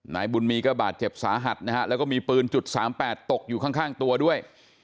นายบุญมีก็บาดเจ็บสาหัสนะฮะแล้วก็มีปืนจุด๓๘ตกอยู่ข้างตัวด้วย